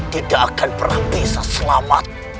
tidak akan pernah bisa selamat